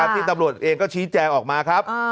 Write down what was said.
ที่ตำรวจเองก็ชี้แจงออกมาครับ